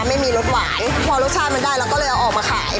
ไม่มีรสหวานพอรสชาติมันได้เราก็เลยเอาออกมาขาย